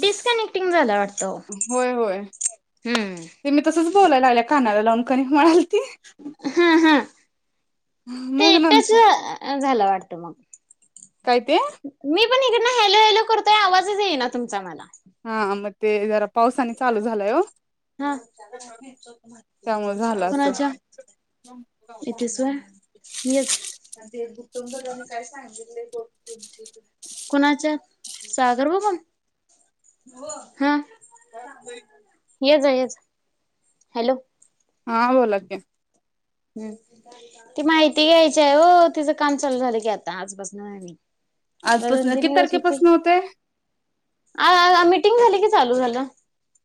Disconnecting झाला वाटतं. होय होय हम्म. ते मी तसच बोलायला आल्या कानाला लावून कणिक मळालती [inaudible] तेटच झालं वाटतं मग काय ते मी पण इकड हलो हेलो करतोय आवाजच येई ना तुमचा मला हा मग ते इ जर आप पावसाने चालू झालाय हो हा त्यामुळे झालं अस येथे होय याच ते ऊटुंबऱ्यांनी काय सांगणार कुणाच्या सागर बघण हा सागर [inaudible] ये जा ये जा हॅलो हा बोला क हम्म ती माहिती घ्यायची आहे हो तिचं काम चालू झालं की आता आजपासून नाही आजपासून किती तारखेपासून होते अ मीटिंग झाली की चालू झालं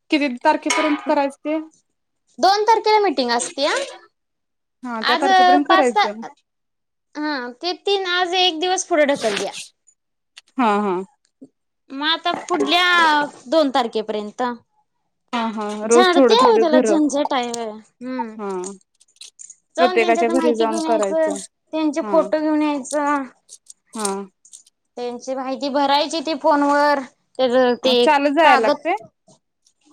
किती तारखेपर्यंत करायचे ते दोन तारखेला मिीटिंग असते हा त्या आज तारखेपर्यंत पाच करायचं ते तीन आज एक दिवस पुढे ढकलली हा हा मग आता पुढल्या दोन तारखे पर्यंत हा हा रोज थोडं झाडते ह थोडं त्याला घर झंझाटाय हम्म हा जाऊन प्रत्येकाच्या त्यांच्यात घरी माहिती जाऊन घेऊन यायचं करायचं त्यांचे हा फोटो घेऊन यायचं हा त्यांची माहिती भरायची ती फोन व तर ते चालत जायला कागद लागतय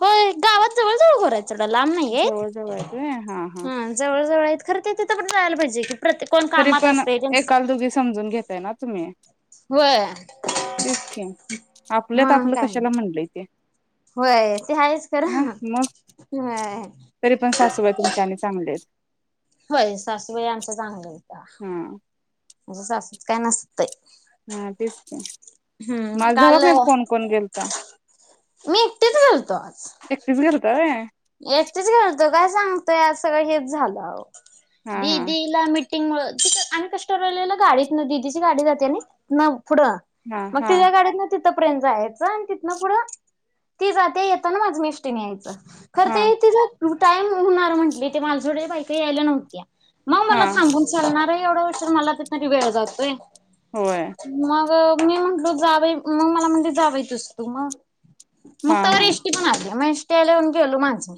हो गावात जवळ जवळ घर आहेत. लांब नव्हेत जवळ जवळ आहे ते हा हा जवळ जवळ खर ते तर आपण जायला पाहिजे. प्रत्येक कोण तरी कामात पण असते त्यांच एकाल दोघी समजून घताय ना तुम्ही होय तिचके आपल्यात म्हणून आपलं काय कशाला म्हणले, ते होय, ते आहेच खरा ह मग हय तरी पण सासूबाई तुमच्या आणि चांगले आहेत हम्म माझ्या सासूच काय नसतय. हा तेच तर हम्म माझ [unintelligible] काल नाही कोण कोण गेलता मी एकटीच एकटीच गेलता व्हयं एकटच गेलतो काय सांगतोय आ सगळं हेच झालं हा हा दिदीला मि िंगमुळे त आणि कष्टरलेलं गाडीत न तिची गाडी जाते आणि न पुढं हा मग हा तिझ्या गाडीत ना त पर्यंत जायचं आणि तिथनं पुढं ती जाते येताना माझ मी एसटी नी यायचं करता हा येत त टाईम होणार म्हंटले ते माझ कडे बायका काही यायला नव्हत्या मग हा मला सांगून चालणार आहे. एवढं वर्ष मला त तरी वेळ जातोय. होय मग मी म्हटलो जावे मग मला म्हणते जा बाई तूच तू मग मग हा तवर हा येसटी पण आली मग ले खेलू माणस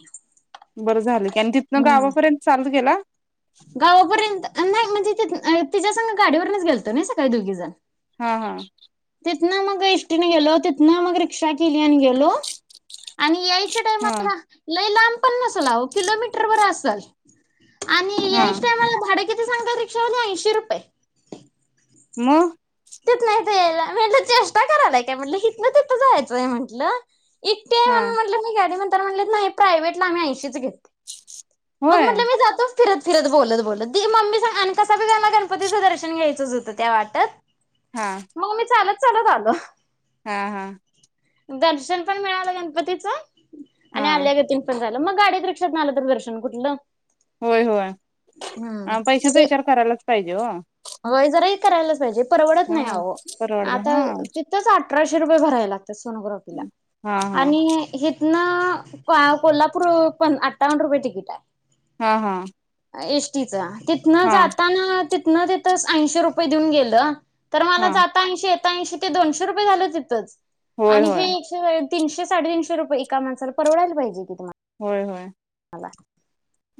बरं झालं की आणि तिथनं गावापर्यंत चालत गेला. गावापर्यंत नाही म्हणजे त तिच्या संग गाडीवरूनच गेलतो ना सकाळी दोघी जण हा हा तिथन मग एसटीने गेलो तिथन मग रिक्षा केली आणि गेलो आणि याय टाम हा लई लाब ् किलोमीटर वर असल आणि हा यायचा टाइमला भाड क सांगा रिक्षा शी रुपये म तिथ नाही यायला म्हट चेष्टा करालाय काय म्हटलं हथ ना तिथं जायचंय म्हंटलं इते हा म्हटलं तर म्हणटले नाही प्रायव्टला आम्ही ऐशीच घेते मग होय म्हटलं मी जातो फिरत फिरत बोलत बोलत मम्मी स कसा ब गणपतीचं दर्शन घ्यायचंच होतं त्या वाटत हा ल दल हा हा दर्शन पण मिळालं गणपतीच आणि हा आल्या ग तीन पण झा मग गाडीत रिक्षात आलं तर दर्शन कुठलं होय होय हम्म पैशाचा तिथे विचार करायलाच काहिजो होय जराही करायलाच पाहिजे परवडत हा नाय आवो परवडला आता हा तिथंच अठराश रुपये भरायला सोनोग्राफीला हा हा आणि हे ना आ कोल्हापूर अठावन रुपये टिकिट हाय हा हा एस टीचा तिथनं हा जाताना तीत हा तित आत्ताच ऐंशी रुपये देऊन गेलं तर मला हा जाता ऐंशी येता ऐंशी ते दोनशे रुपये झालं तिथंच होय आणि होय हे एकशे वयत तीनशे साडेतीनशे रुये एका माणसाला परवडायला की तुमा होय होय [inaudible]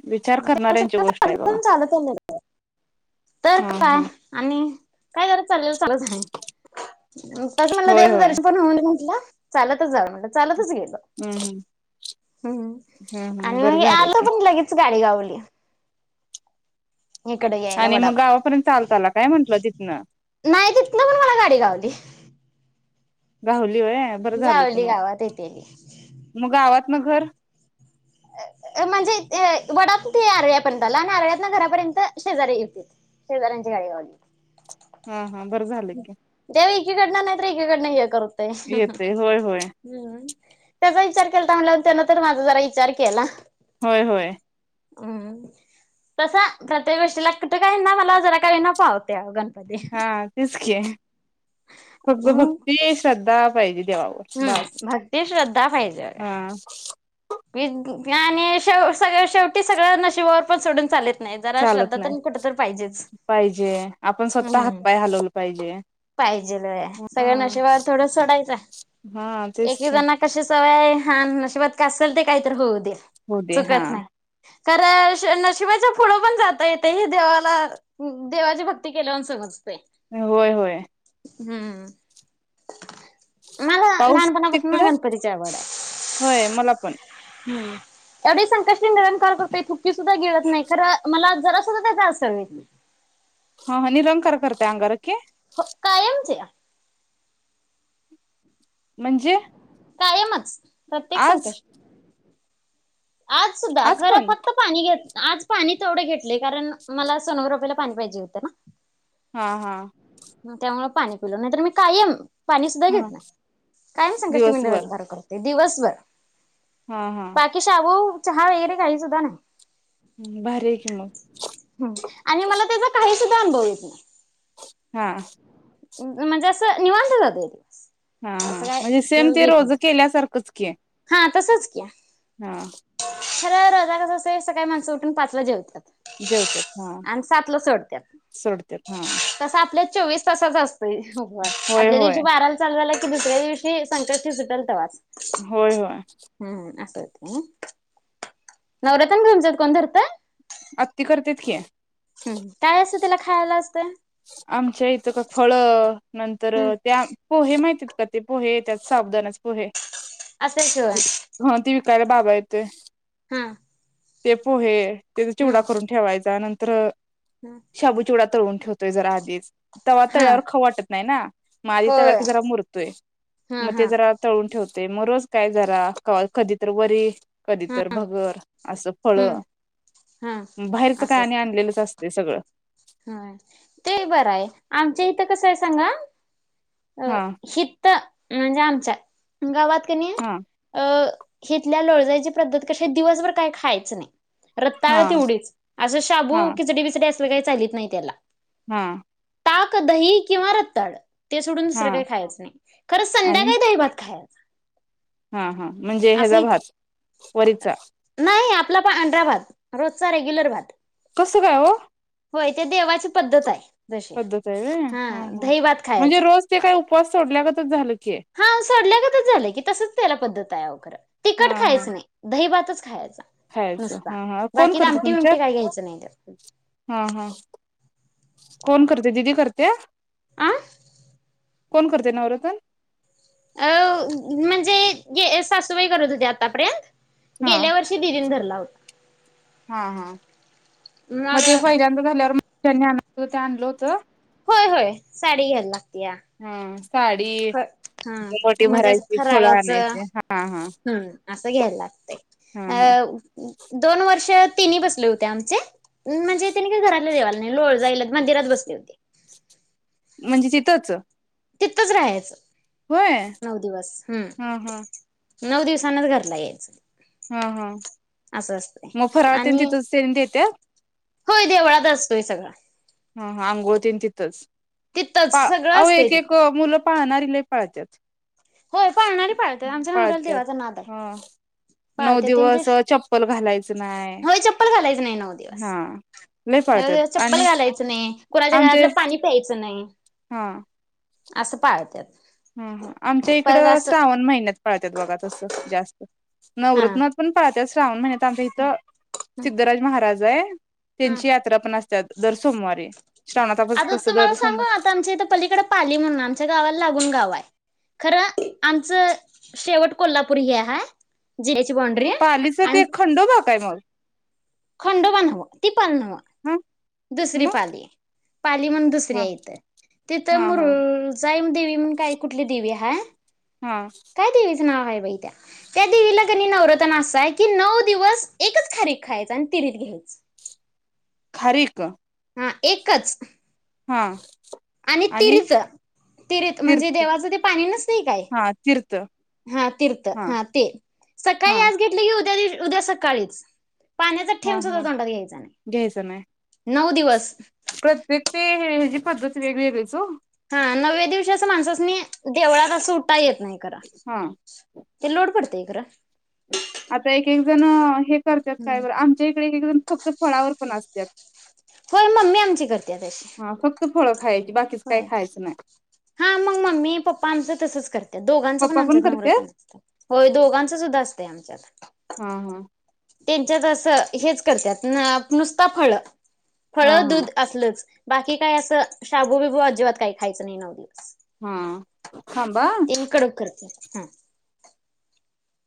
विचार करणाऱ्यांची त्यापेक्षा गोष्ट हाय बघा [inaudible] तर काय आणि काय करत चालल चालल सांग तसं म्हणल होय देवाच होय दर्शन पण होऊ दे म्हटलं चालतच जा म्हणल चालतच गेल हम्म हम् हम्म हम्म आणि बर मग झालं आलो की पण लगेच गाडी घावली इकड यायला आणि मग वडाप गावापर्यंत चालत आला काय म्हंटलं तिथनं नाय तिथन पण मला गाडी घावली घाहुली होय बर झाल की गावली मग गावात येतेली मग गावात मग घर अ म्हणजे ते वडाप ते आरव्यापर्यंत आला आणि आरव्यात घरापर्यंत शेजारी हुतीत शेजाऱ्यांची गाडी घावली हा हा बरं झालं की देव एकीकडन नायत एकी कडन हे करू तय येतय होय होय त्याचा विचार केलता म्हणला त्यांना तर माझा जरा ईचार केला होय होय हम्म तसा प्रत्येक गोष्टीला कुठं काही ना मला जरा काही न पावते गन हा तेच की हम्म भक्ती श्रद्धा पाहिजे देवावर बास हम्म भक्ती श्रद्धा पाहिजे हा आणि सगळ शेवटी सगळं नशिबावर पण सोडून चाले त नाही जरा चालत श्रद्धा नाही कुठ तर पाहिजे पाहिजे आपण स्वतः हातपाय हलवलं पाहिजे पाहिजेल होय सळशे हम्म नशिबावर सोडायचं हा तेच की क सवय हाय आणि नशिबात काया आसल ते कायतर होऊदे हो दे हा खर नशिबाच्या फुड पण जाता येते हे देवाला देवाची भक्ती केल्यावर समजते होय होय हम्म मला पाऊस लहानपणापासून ना तिकडं गणपतीच्या आवड आहे होय मला पण हम एवढी संकष्टी निरणकार करतो थुकी सुद्धा गिळत नाही खर मला जरा सुद्धा त्याचा असंर नाही हा हा निरंकार करते अंगार की हो कायमची म्हणजे कायमच प्रत्येक आज संकष्टी आज सुद्धा आज घरात पण फक्त पाणी घेत आज पाणी तेवढे घेतले. कारण मला सोनोग्राफीला पाणी पाहिजे होत ना. हां हां. म त्यामूळ पाणी पिलं. नाहीतर मी कायम पाणी सुद्धा घेत हा नाही. कायम संकष्टी मी दिवसभर निरंकार करते. दिवसभर. हा हा बाकी शाबू चहा वगैरे काही सुद्धा नाही. भारी आहे की मग हं. आणि मला त्याच काहीच [unintelligible] हां. म्हणजे असं निवांत जातोय दिवस. हा हा, असं काय म्हणजे हे सेम ते येत रोज नाही केल्यासारखंच. की हा तसच किया. हा, खर रोजा कसं असं सकाळी माणसं उठून पाचला जेवतात. जेवतात हा आणि सातलं सोडत्यात. सोडतात हा तस आपल्या चोवीस तासाचा असत तय उपवास. होय आदल्या होय दिवशी बाराला चालू झाला की, दुसऱ्या दिवशी संकष्टी सुटंल तावच. होय होय. ह नव रतन तुमच्यात कोण धरतं? आत्ती करतेत की. हं, काय असं तिला खायला असतं? आमच्या इथं का? फळ, नंतर हम्म त्या पोहे माहिती ते पोहे त्यात साबुदाण्याच पोहे. असतंय शिवाय हं ती का रे बाबा येते, हं, ते पोहे त्याचा चिवडा करून ठेवायचा नंत त्र हा शबुचिवडा, तळून ठे तोय जरा आधीच. तवा्हा हा तळ्यावर खाऊ वाटत नाही ना. म आधी तळा होय की जरा मुरतोय. हा मग ते हा जरा तळून ठेवतो ते मग रोज काय जरा कधी तर वरी कधी तरर हा भगर असं फळ हम्म हा बाहेरच कायने आणलेलंच असते सगळं हा ते बरं आहे आमच्या इथं कसं आहे सांगा अह हा हिित म्हणजे आमच्या गावात कन हा अं हथल्या लोळजयची पद्धत कशी दिवसभर काही खायच नाही रत्ताळ हा तेवढीच असं हा शाबू किचडी बिचडी अस ग का लील स् नाहीहितला हा ताक दही किंवा रत्ताड ते सोडून हा दुसरं काही खायच नाही खरं आणि संध्याकाळी दही भात खायला हा हा म्हणजे इत हैजराभात वरचा नाही आपला प अांढरा भात रोजचा रेग्युलर भात कसं काय हो? होय ते देवाची पद्धत आहे. जशी पद्धत आहे होय. हा हा दही भात म्हणजे खायचा रोज ते काय उप स सोडल्यागच झालं. की हा सडल्यागतच झालं की तसच त्याला पद्धत. तयाव खरं. तिखट खायचं नाही दही भात तच खाचं. हायच हा हा कोण करतं तुमच्यात, बिमटी काय घ्यायचं नाही त्यात. हा हा. कोण करते दिदी करते? आ कोण करते नवरत्न? अ म्हणजे सासूबाई करत होते आतापर्यंत हा गेल्या वर्षी दिदीन धरला होता हा हा मग ते फैल्यांदा धरल्यावर शनी आण ते आणल होत. होय होय साडी घ्यायला लागतीया. हम्म ख हम म्हणजे अस भरायची फळं खराळाच आणायची हा हा हम् असं घ्यायला लागत. हा हा अ दोन वर्ष तेनी बसले होते आमचे म्हणजे तेनी का घरातले देवाला लोळ जाईल मंदिरात बसले होते. म्हणजे तिथंच? तिथंच राहायचं. होय, नऊ दिवस हम्म हं हं. नऊ दिवसांनच घरला यायचं. हा हा असं असतंय मग फराळ तेन आणि तिथंच येन देतात. होय देवळात असतोय सगळा. हा हा अंघोळतीन तिथंच. तिथंच पा सगळं अवो असतंय एक एक तिथं मुलं पाहणारी लय पाळत्यात. होय पाळणारी पाळते आमच्या नवऱ्याला पाळत्यात देवाचा नाद आहे. हा नऊ पाळते त्यांचे दिवस चप्पल घालायचं नाय होय चप्पल घालायच नाही नऊ दिवस हा लय नऊ पाळत्यात दिवस चप्पल आणि घालायच कुणाच्या आमचे घरात पाणी प्यायचं नाही. हा असं पाळत्यात. हम् हम आमच्या इकड परत असं श्रावण महिन्यात पाळतात बघा तसं जास्त. हा नवरत्नात पण पाळतात श्रावण महिन्यात आमच्या इथं सिद्धराज महाराज जाय हा त्यांची यात्रा पण असतात दर सोमवारीे आता तुम्हाला सांगू आता आमच्या इथं पलीकड पाली म्हणून आमच्या गावाला लागून गाव आहे खरं आमचं शेवट कोल्हापूर हे हा पालीचा ते एक खंडोबाग आहे मग खंडो बनवं ती पालनव हा दुसरी मग पाली पाली म्हण दुसरी हा आहे इथं हा तिथं हा मुरुजई देवी म्हणून काय कुठली देवी आहे हा हा व आहे त्या त्या देवीला क नवरथन असा आहे की नऊ दिवस एकच खारीक खायच आणि तिरीत घ्यायच खारे एक हा एकच हा आणि तीर्थ तीर्थ म्हणजे देवाचं ते पाणी नस नाही काय हा तीर्थ हा तीर्थ हा ते हा सकाळी आज घेतलं की उद्या उद्या सकाळीच पाण्याचा हा ठेब सुद्धा हा तोंडात घ्यायचा नाही नऊ दिवस प्रत्ये ते पद्धती वेग वगळेचो हा नवव्या दिवशी असं माणसस म देवळात असं उठा येत नाही करा हा ते लोड पडतय खरा. आता एक एक जण हे. ते करतात हम्म काय बरं आमच्या. फक्त एक एक जण फळावर पण असतात. होय मम्मी आमची करते तशी. तू फळ खाय. होय हा मग मम्मी पप्पा आमचं तसच करत. दोघांचं पण पप्पा आमच्यात करते नवरन असतं होय दोघांचं सुद्धा असतं आमच्यात. हम् हम्म. त्यांच्यात असं हेच करतात नुसता फळ. फळ हा हा दूध असलच. बाकी काय असं शाबू बिबू अजिबात काही खायचं नाही नव्ह. हा थांबा. हम.